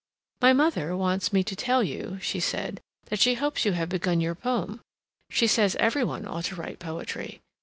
"My mother wants me to tell you," she said, "that she hopes you have begun your poem. She says every one ought to write poetry....